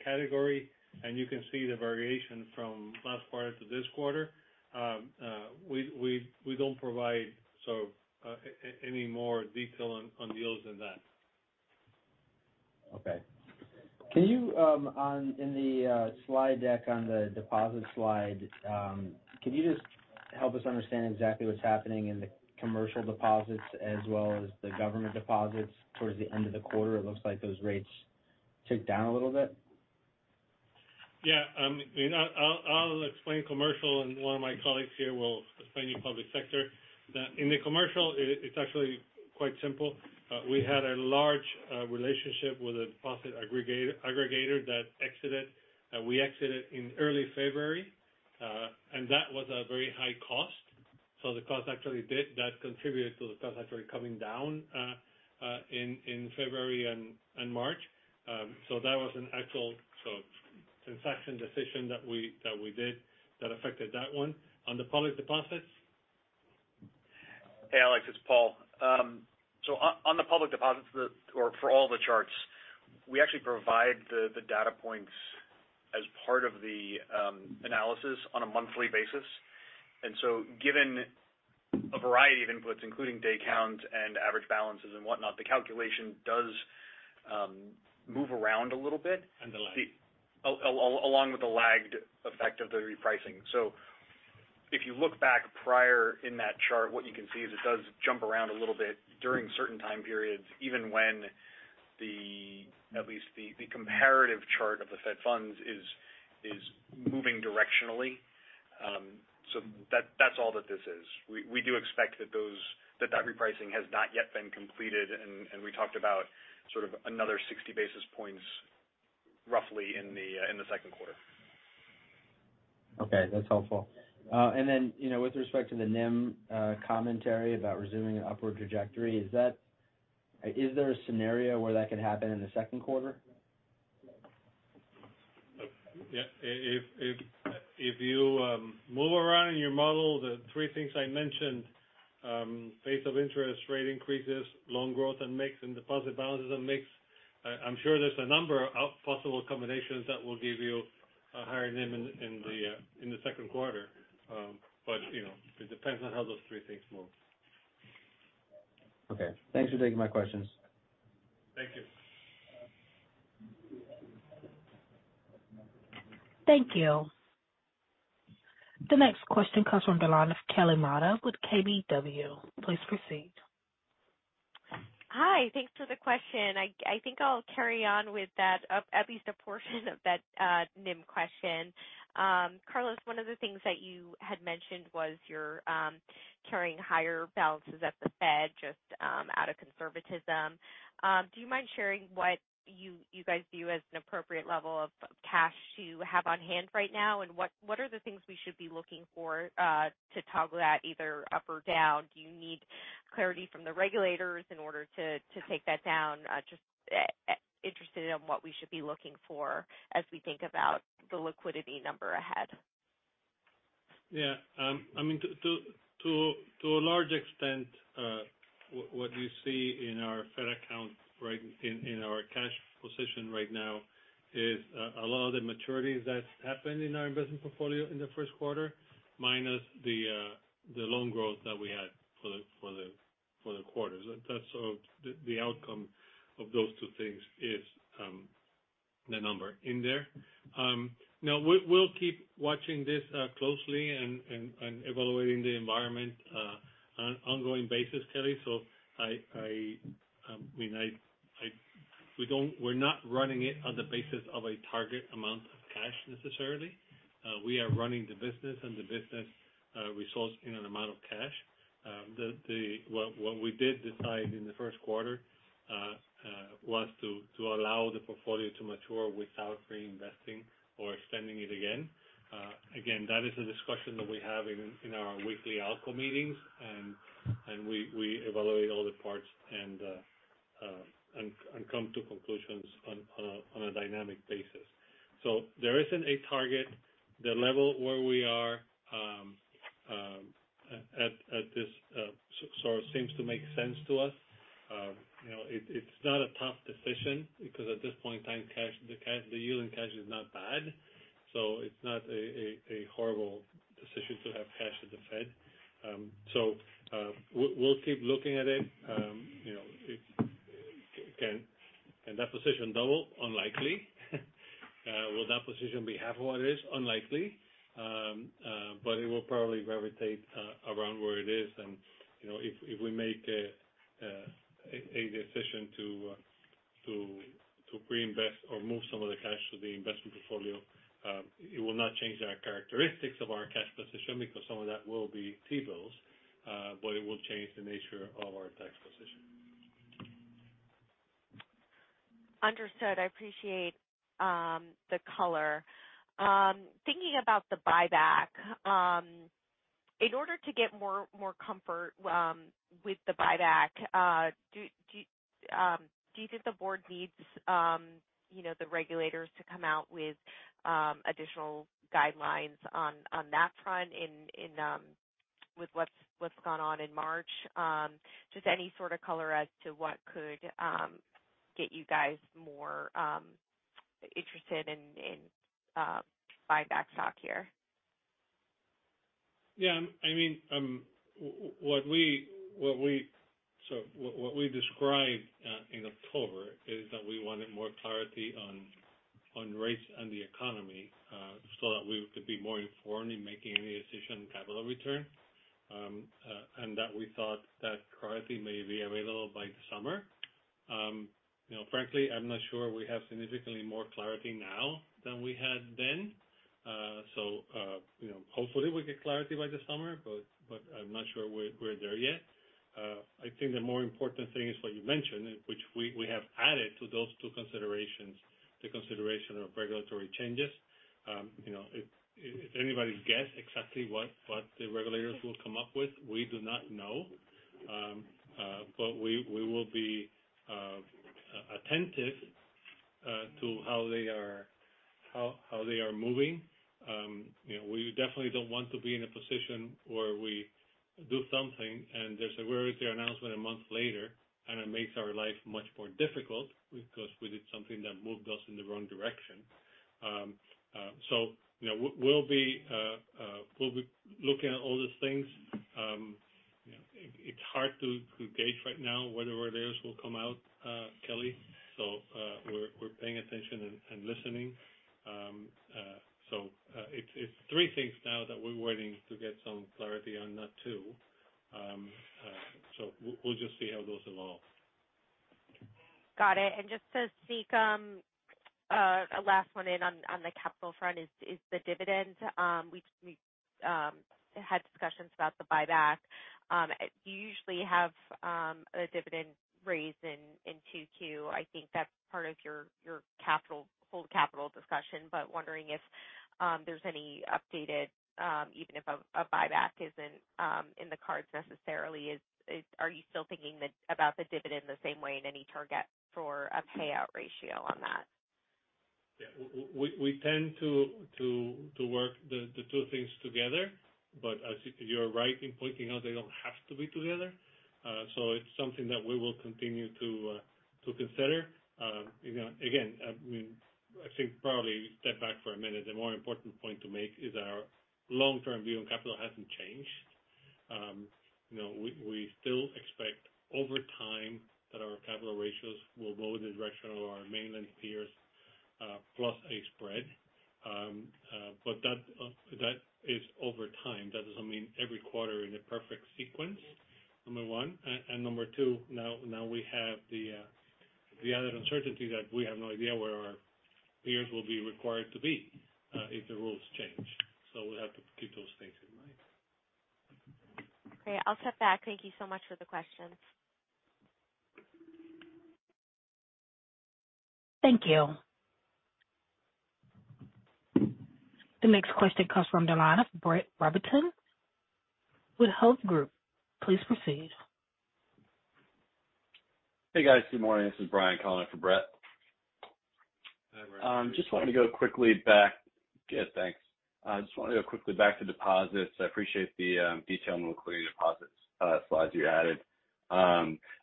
category, and you can see the variation from last quarter to this quarter. We don't provide sort of any more detail on yields than that. Can you In the slide deck on the deposit slide, can you just help us understand exactly what's happening in the commercial deposits as well as the government deposits towards the end of the quarter? It looks like those rates ticked down a little bit. Yeah. I'll explain commercial, and one of my colleagues here will explain you public sector. In the commercial it's actually quite simple. We had a large relationship with a deposit aggregator that exited. We exited in early February. That was a very high cost. The cost actually did, that contributed to the cost actually coming down in February and March. That was an actual sort of transaction decision that we did that affected that one. On the public deposits? Hey, Alex, it's Paul. On the public deposits, or for all the charts, we actually provide the data points. As part of the analysis on a monthly basis. Given a variety of inputs, including day counts and average balances and whatnot, the calculation does move around a little bit. The lag. Along with the lagged effect of the repricing. If you look back prior in that chart, what you can see is it does jump around a little bit during certain time periods, even when at least the comparative chart of the Fed funds is moving directionally. That's all that this is. We do expect that that repricing has not yet been completed, and we talked about sort of another 60 basis points roughly in the second quarter. Okay, that's helpful. Then, you know, with respect to the NIM, commentary about resuming an upward trajectory, is there a scenario where that could happen in the second quarter? Yeah. If you move around in your model, the three things I mentioned, pace of interest rate increases, loan growth and mix, and deposit balances and mix, I'm sure there's a number of possible combinations that will give you a higher NIM in the second quarter. You know, it depends on how those three things move. Okay. Thanks for taking my questions. Thank you. Thank you. The next question comes from the line of Kelly Motta with KBW. Please proceed. Hi. Thanks for the question. I think I'll carry on with that, at least a portion of that, NIM question. Carlos, one of the things that you had mentioned was you're carrying higher balances at the Fed just out of conservatism. Do you mind sharing what you guys view as an appropriate level of cash to have on hand right now? What are the things we should be looking for to toggle that either up or down? Do you need clarity from the regulators in order to take that down? Just interested in what we should be looking for as we think about the liquidity number ahead. Yeah. I mean, to a large extent, what you see in our Fed account right in our cash position right now is a lot of the maturities that happened in our investment portfolio in the first quarter, minus the loan growth that we had for the quarter. That's the outcome of those two things is the number in there. Now we'll keep watching this closely and evaluating the environment on an ongoing basis, Kelly. I mean, we're not running it on the basis of a target amount of cash necessarily. We are running the business, and the business results in an amount of cash. What we did decide in the first quarter was to allow the portfolio to mature without reinvesting or extending it again. Again, that is a discussion that we have in our weekly ALCO meetings, and we evaluate all the parts and come to conclusions on a dynamic basis. There isn't a target. The level where we are at this sort of seems to make sense to us. You know, it's not a tough decision because at this point in time, the cash, the yield in cash is not bad. It's not a horrible decision to have cash at the Fed. We'll keep looking at it. You know, can that position double? Unlikely. Will that position be half of what it is? Unlikely. It will probably gravitate around where it is. You know, if we make a decision to to reinvest or move some of the cash to the investment portfolio, it will not change our characteristics of our cash position because some of that will be T-bills, but it will change the nature of our tax position. Understood. I appreciate the color. Thinking about the buyback, in order to get more comfort with the buyback, do you think the board needs, you know, the regulators to come out with additional guidelines on that front in with what's gone on in March? Just any sort of color as to what could get you guys more interested in buyback stock here? Yeah. I mean, what we described in October is that we wanted more clarity on rates and the economy, so that we could be more informed in making any decision on capital return, and that we thought that clarity may be available by the summer. You know, frankly, I'm not sure we have significantly more clarity now than we had then. You know, hopefully we get clarity by the summer, but I'm not sure we're there yet. I think the more important thing is what you mentioned, which we have added to those two considerations, the consideration of regulatory changes. You know, if anybody guess exactly what the regulators will come up with, we do not know. We will be attentive to how they are moving. You know, we definitely don't want to be in a position where we do something and there's a regulatory announcement a month later, and it makes our life much more difficult because we did something that moved us in the wrong direction. You know, we'll be looking at all those things. You know, it's hard to gauge right now whether theirs will come out, Kelly. We're paying attention and listening. It's three things now that we're waiting to get some clarity on, not two. We'll just see how it goes along Got it. Just to sneak, a last one in on the capital front is the dividend. We had discussions about the buyback. You usually have, a dividend raise in 2022. I think that's part of your whole capital discussion. Wondering if, there's any updated, even if a buyback isn't, in the cards necessarily, are you still thinking about the dividend the same way and any target for a payout ratio on that? Yeah. We tend to work the two things together. As you're right in pointing out they don't have to be together. It's something that we will continue to consider. Again, I mean, I think probably step back for a minute. The more important point to make is our long-term view on capital hasn't changed. You know, we still expect over time that our capital ratios will go in the direction of our mainland peers, plus a spread. That is over time. That doesn't mean every quarter in a perfect sequence, number one. And number two, now we have the added uncertainty that we have no idea where our peers will be required to be if the rules change. We'll have to keep those things in mind. Great. I'll step back. Thank you so much for the questions. Thank you. The next question comes from the line of Brett Rabatin with Hovde Group. Please proceed. Hey, guys. Good morning. This is Brian calling in for Brett. Hey, Brian. Just wanted to go quickly back. Thanks. I just want to go quickly back to deposits. I appreciate the detailed liquidity deposits slides you added.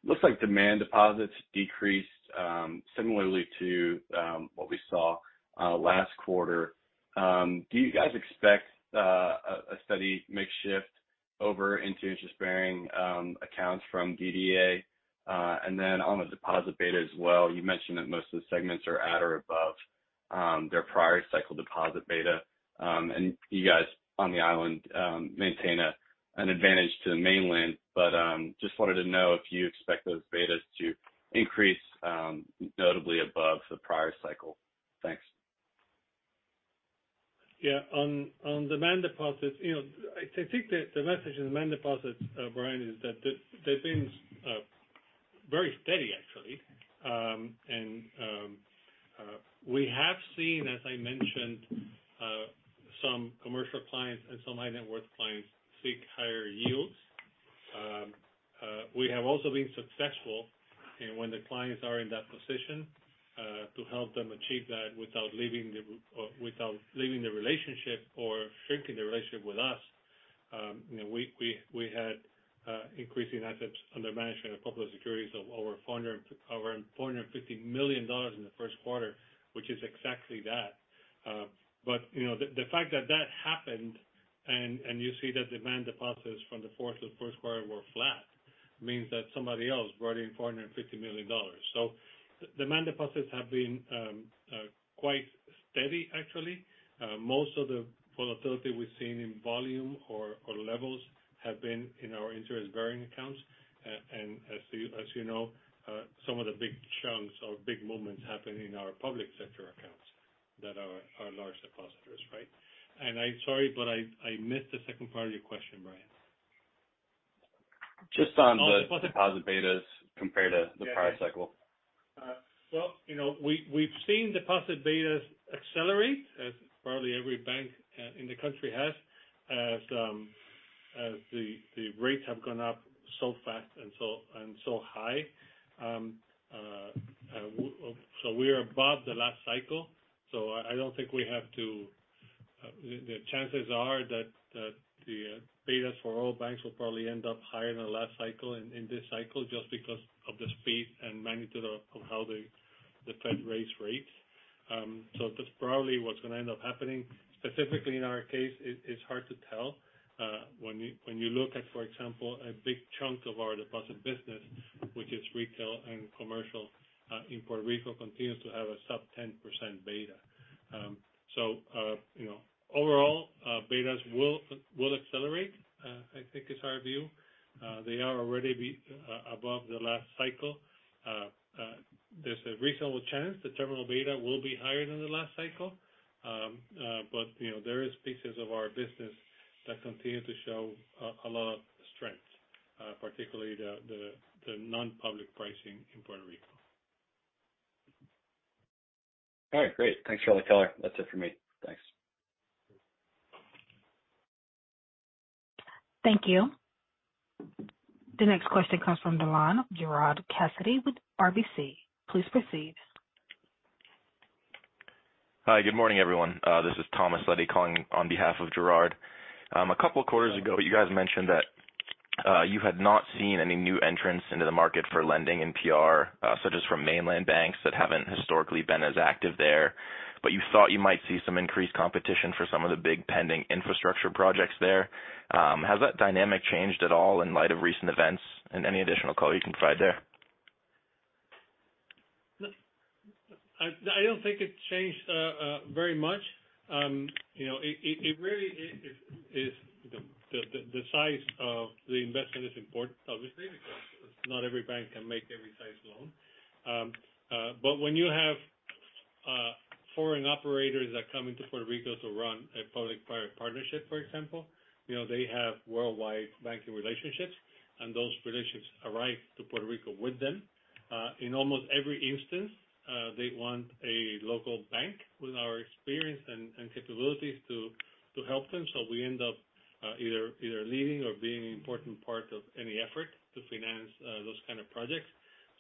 Looks like demand deposits decreased similarly to what we saw last quarter. Do you guys expect a steady makeshift over into interest-bearing accounts from DDA? On the deposit beta as well, you mentioned that most of the segments are at or above their prior cycle deposit beta. You guys on the island maintain an advantage to the mainland. Just wanted to know if you expect those betas to increase notably above the prior cycle. Thanks. On demand deposits, you know, I think the message in demand deposits, Brian, is that they've been very steady actually. We have seen, as I mentioned, some commercial clients and some high net worth clients seek higher yields. We have also been successful, you know, when the clients are in that position, to help them achieve that without leaving the relationship or shrinking the relationship with us. You know, we had increasing assets under management of public securities of over $400 million to around $450 million in the first quarter, which is exactly that. You know, the fact that that happened and you see that demand deposits from the fourth to the first quarter were flat means that somebody else brought in $450 million. Demand deposits have been quite steady actually. Most of the volatility we've seen in volume or levels have been in our interest-bearing accounts. As you know, some of the big chunks or big movements happen in our public sector accounts that are our large depositors, right? I'm sorry, but I missed the second part of your question, Brian. Just on the deposit betas compared to the prior cycle. Well, you know, we've seen deposit betas accelerate as probably every bank in the country has, as the rates have gone up so fast and so high. We are above the last cycle, so I don't think we have to. The chances are that the betas for all banks will probably end up higher than the last cycle in this cycle just because of the speed and magnitude of how the Fed raise rates. That's probably what's gonna end up happening. Specifically in our case, it is hard to tell. When you look at, for example, a big chunk of our deposit business, which is retail and commercial in Puerto Rico continues to have a sub 10% beta. You know, overall, betas will accelerate, I think is our view. They are already above the last cycle. There's a reasonable chance the terminal beta will be higher than the last cycle. You know, there is pieces of our business that continue to show a lot of strength, particularly the non-public pricing in Puerto Rico. All right. Great. Thanks for all the color. That's it for me. Thanks. Thank you. The next question comes from the line of Gerard Cassidy with RBC. Please proceed. Hi, good morning, everyone. This is Thomas Leddy calling on behalf of Gerard. Two quarters ago, you guys mentioned that you had not seen any new entrants into the market for lending in PR, such as from mainland banks that haven't historically been as active there. You thought you might see some increased competition for some of the big pending infrastructure projects there. Has that dynamic changed at all in light of recent events, and any additional color you can provide there? I don't think it's changed very much. You know, it really is the size of the investment is important obviously, because not every bank can make every size loan. But when you have foreign operators that come into Puerto Rico to run a public-private partnership, for example, you know, they have worldwide banking relationships, and those relationships arrive to Puerto Rico with them. In almost every instance, they want a local bank with our experience and capabilities to help them. We end up either leading or being an important part of any effort to finance those kind of projects.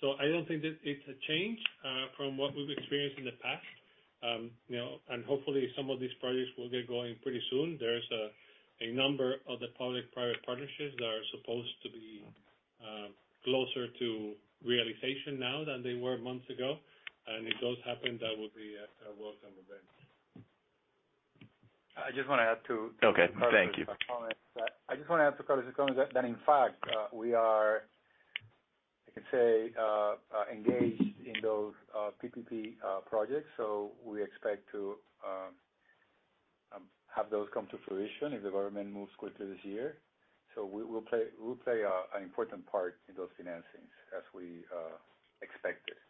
I don't think that it's a change from what we've experienced in the past. You know, and hopefully some of these projects will get going pretty soon. There is a number of the public-private partnerships that are supposed to be closer to realization now than they were months ago. If those happen, that would be a welcome event. I just wanna add. Okay, thank you. Carlos' comments. I just wanna add to Carlos' comments that, in fact, we are, I can say, engaged in those PPP projects. We expect to have those come to fruition if the government moves quickly this year. We'll play an important part in those financings as we expected prior.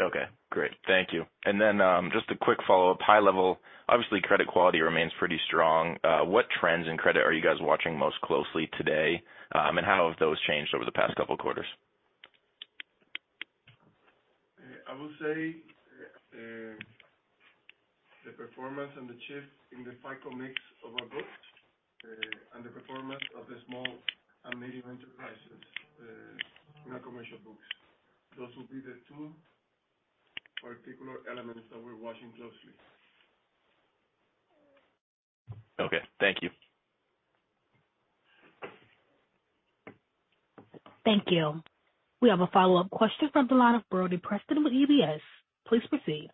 Okay, great. Thank you. Then, just a quick follow-up. High level, obviously, credit quality remains pretty strong. What trends in credit are you guys watching most closely today? How have those changed over the past couple quarters? I would say, the performance and the shift in the FICO mix of our books, and the performance of the small and medium enterprises, in our commercial books. Those would be the two particular elements that we're watching closely. Okay. Thank you. Thank you. We have a follow-up question from the line of Brodie Person with UBS. Please proceed.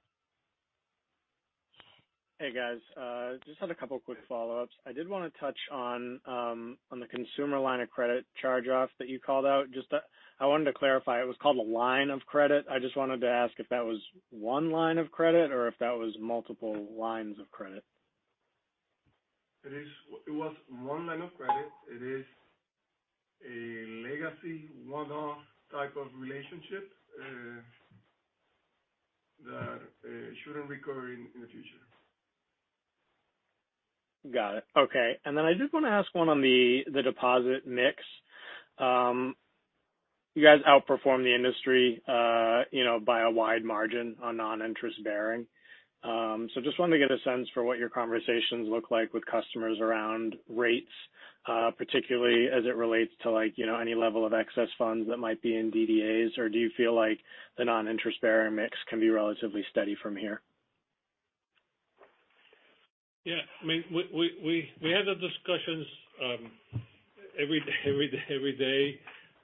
Hey, guys. Just had a couple quick follow-ups. I did wanna touch on on the consumer line of credit charge-off that you called out. Just I wanted to clarify, it was called a line of credit. I just wanted to ask if that was one line of credit or if that was multiple lines of credit. It was one line of credit. It is a legacy one-off type of relationship, that shouldn't recur in the future. Got it. Okay. I did wanna ask one on the deposit mix. You guys outperformed the industry, you know, by a wide margin on non-interest bearing. Just wanted to get a sense for what your conversations look like with customers around rates, particularly as it relates to like, you know, any level of excess funds that might be in DDAs. Do you feel like the non-interest bearing mix can be relatively steady from here? Yeah. I mean, we have the discussions every day.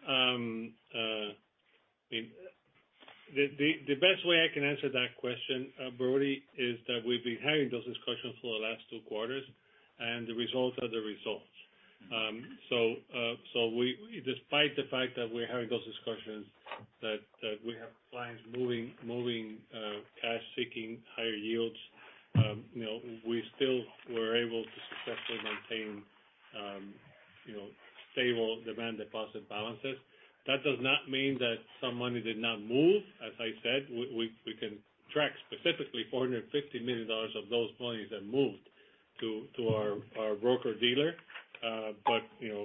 I mean, the best way I can answer that question, Brodie, is that we've been having those discussions for the last two quarters, and the results are the results. Despite the fact that we're having those discussions that we have clients moving cash, seeking higher yields, you know, we still were able to successfully maintain, you know, stable demand deposit balances. That does not mean that some money did not move. As I said, we can track specifically $450 million of those monies that moved to our broker-dealer. You know,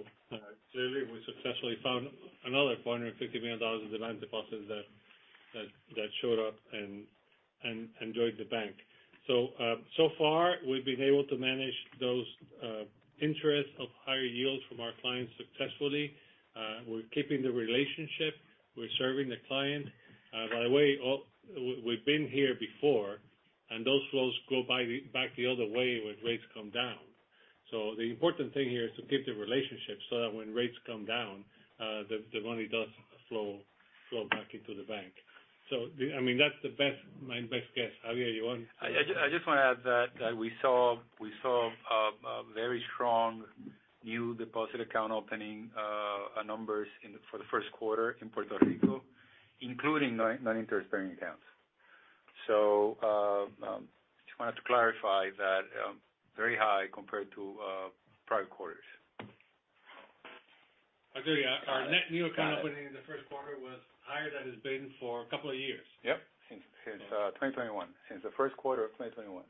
clearly, we successfully found another $450 million of demand deposits that showed up and joined the bank. So far, we've been able to manage those interests of higher yields from our clients successfully. We're keeping the relationship. We're serving the client. By the way, we've been here before, and those flows go back the other way when rates come down. The important thing here is to keep the relationship so that when rates come down, the money does flow back into the bank. I mean, that's my best guess. Javier, you want to add? I just wanna add that we saw a very strong new deposit account opening, numbers for the first quarter in Puerto Rico, including non-interest bearing accounts. Just wanted to clarify that, very high compared to prior quarters. I agree. Our net new account opening in the first quarter was higher than it's been for a couple of years. Yep. Since 2021. Since the first quarter of 2021.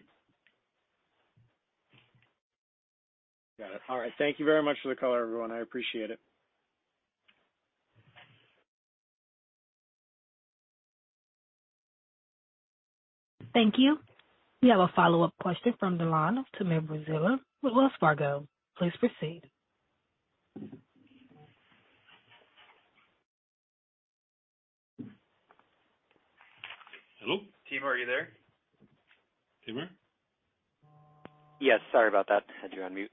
Got it. All right. Thank you very much for the color, everyone. I appreciate it. Thank you. We have a follow-up question from Timur Braziler with Wells Fargo. Please proceed. Hello? Timur, are you there? Timur? Yes, sorry about that. Had you on mute.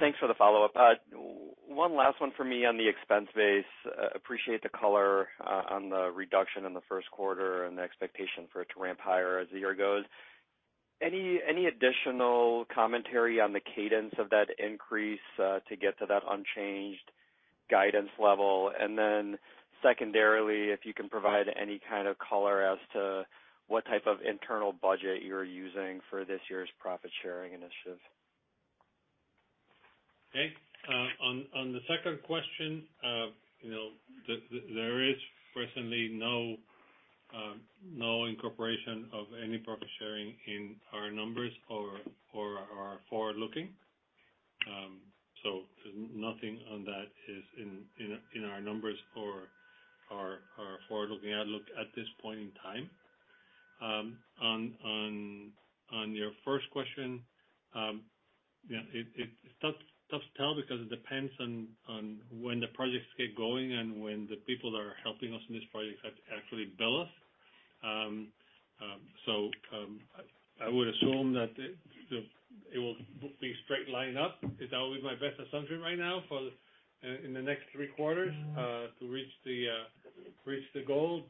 Thanks for the follow-up. One last one for me on the expense base. Appreciate the color on the reduction in the first quarter and the expectation for it to ramp higher as the year goes. Any additional commentary on the cadence of that increase to get to that unchanged guidance level? Secondarily, if you can provide any kind of color as to what type of internal budget you're using for this year's profit-sharing initiative. Okay. On the second question, you know, there is presently no incorporation of any profit sharing in our numbers or our forward-looking. Nothing on that is in our numbers or our forward-looking outlook at this point in time. On your first question, yeah, it's tough to tell because it depends on when the projects get going and when the people that are helping us in this project actually bill us. I would assume that it will be straight line up. It's always my best assumption right now for in the next three quarters to reach the goal.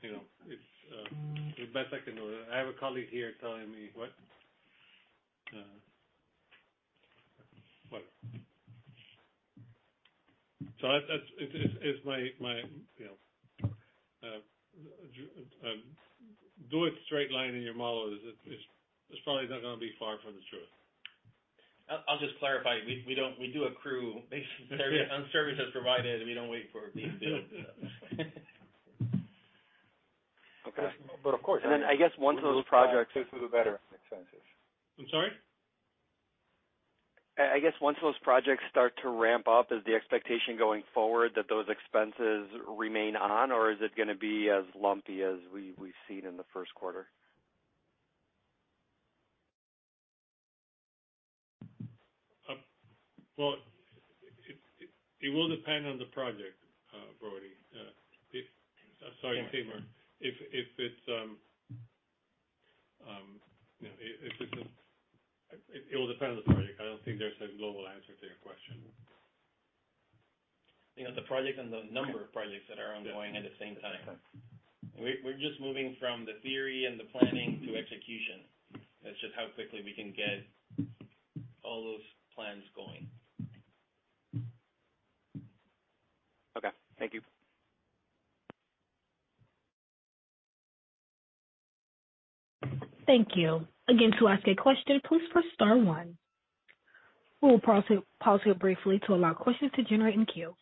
You know, it's the best I can do. I have a colleague here telling me what... That's, it is my, you know, do it straight line in your model is probably not gonna be far from the truth. I'll just clarify. We do accrue based on services provided. We don't wait for being billed. Okay. of course... I guess once those projects. The sooner the better. Expenses. I'm sorry? I guess once those projects start to ramp up, is the expectation going forward that those expenses remain on, or is it gonna be as lumpy as we've seen in the first quarter? Well, it will depend on the project, Brodie. Sorry, Timur. If it's, you know, if it's a. It will depend on the project. I don't think there's a global answer to your question. You know, the project and the number of projects that are ongoing at the same time. We, we're just moving from the theory and the planning to execution. It's just how quickly we can get all those plans going. Okay. Thank you. Thank you. Again, to ask a question, please press Star one. We'll pause here briefly to allow questions to generate in queue.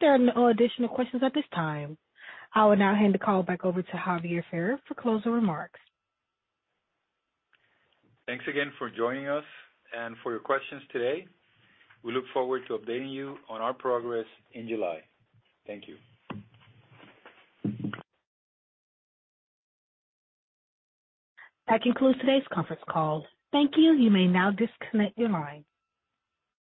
There are no additional questions at this time. I will now hand the call back over to Javier Ferrer for closing remarks. Thanks again for joining us and for your questions today. We look forward to updating you on our progress in July. Thank you. That concludes today's conference call. Thank you. You may now disconnect your line.